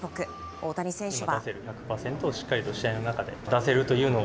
大谷選手は。